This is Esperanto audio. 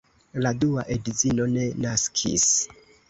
La dua edzino ne naskis.